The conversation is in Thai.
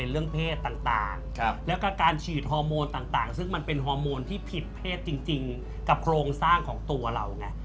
เรื่องเพศต่างแล้วก็การฉีดฮอร์โมนต่างซึ่งมันเป็นฮอร์โมนที่ผิดเพศจริงกับโครงสร้างของตัวเราไง